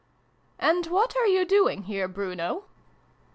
" And what are you doing here, Bruno